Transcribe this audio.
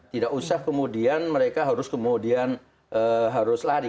tidak usah kemudian mereka harus kemudian harus lari